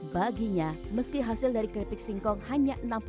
baginya meski hasil dari keripik singkong hanya enam puluh